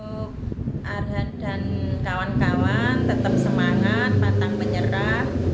untuk arhan dan kawan kawan tetap semangat pantang menyerah